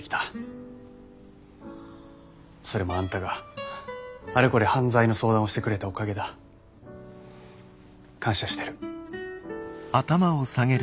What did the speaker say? それもあんたがあれこれ犯罪の相談をしてくれたおかげだ。感謝してる。